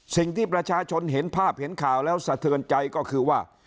สิ่งที่ประชาชนเห็นภาพเห็นข่าวแล้วสะเทือนใจก็คือว่า